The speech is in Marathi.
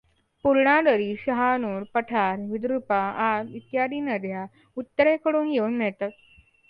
पूर्णा नदीस शहानूर, पठार, विद्रूपा, आस, इत्यादी नद्या उत्तरेकडून येऊन मिळतात.